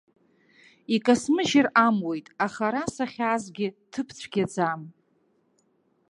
Икасмыжьыр амуит, аха ара сахьаазгьы ҭыԥ цәгьаӡам.